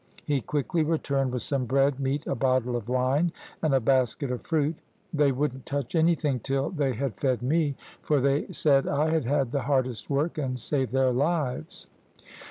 He quickly returned with some bread, meat, a bottle of wine, and a basket of fruit. They wouldn't touch anything till they had fed me, for they said I had had the hardest work, and saved their lives.